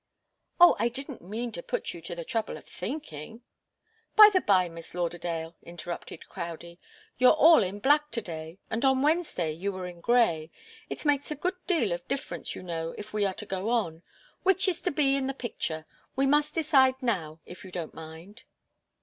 "Oh I didn't mean to put you to the trouble of thinking " "By the bye, Miss Lauderdale," interrupted Crowdie, "you're all in black to day, and on Wednesday you were in grey. It makes a good deal of difference, you know, if we are to go on. Which is to be in the picture? We must decide now, if you don't mind."